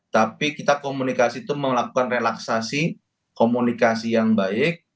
tapi kita komunikasi itu melakukan relaksasi komunikasi yang baik